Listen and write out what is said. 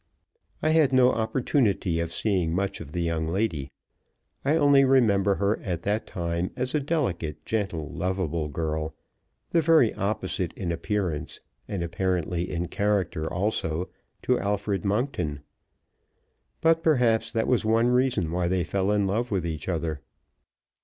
I had no opportunities of seeing much of the young lady; I only remember her at that time as a delicate, gentle, lovable girl, the very opposite in appearance, and apparently in character also, to Alfred Monkton. But perhaps that was one reason why they fell in love with each other.